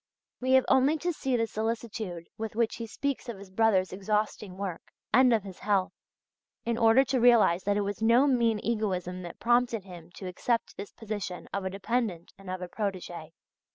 We have only to see the solicitude with which he speaks of his brother's exhausting work (pages 127 30, 146) and of his health, in order to realize that it was no mean egoism that prompted him to accept this position of a dependent and of a protégé.